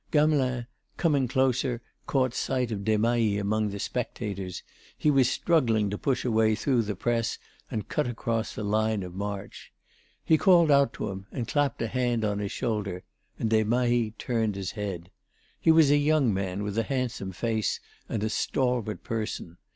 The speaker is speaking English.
Gamelin, coming closer, caught sight of Desmahis among the spectators; he was struggling to push a way through the press and cut across the line of march. He called out to him and clapped a hand on his shoulder, and Desmahis turned his head. He was a young man with a handsome face and a stalwart person.